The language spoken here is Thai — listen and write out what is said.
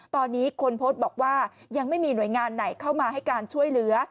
ตอนนี้คนโพสต์บอกว่ายังไม่มีหน่วยงานไหนเข้ามาให้การช่วยเหลือ